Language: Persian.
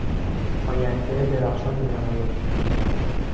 آینده درخشان مینماید.